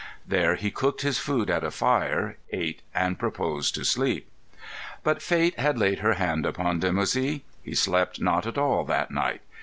There he cooked his food at a fire, ate, and proposed to sleep. But Fate had laid her hand upon Dimoussi. He slept not at all that night.